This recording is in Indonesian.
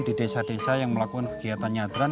di desa desa yang melakukan kegiatan nyadran